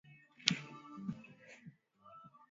ya wastani ya msitu wa mvua ugunduzi